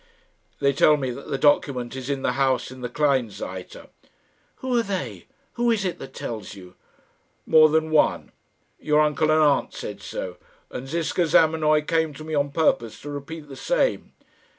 "They tell me that the document is in the house in the Kleinseite." "Who are they? Who is it that tells you?" "More than one. Your uncle and aunt said so and Ziska Zamenoy came to me on purpose to repeat the same."